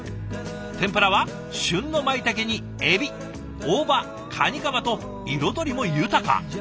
天ぷらは旬のマイタケにエビ大葉カニカマと彩りも豊か。